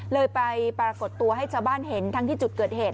เลยไปปรากฏตัวให้ชาวบ้านเห็นทั้งที่จุดเกิดเหตุ